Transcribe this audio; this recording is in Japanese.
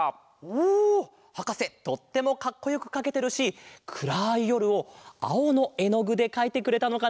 おおはかせとってもかっこよくかけてるしくらいよるをあおのえのぐでかいてくれたのかな？